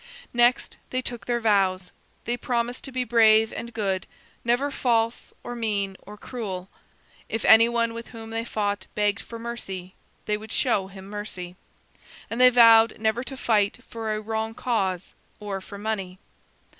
Next they took their vows. They promised to be brave and good, never false, or mean, or cruel. If anyone with whom they fought begged for mercy, they would show him mercy. And they vowed never to fight for a wrong cause or for money.